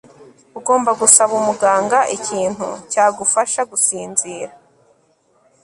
ugomba gusaba umuganga ikintu cyagufasha gusinzira